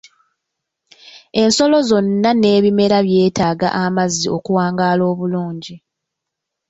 Ensolo zonna n'ebimera byetaaga amazzi okuwangaala obulungi.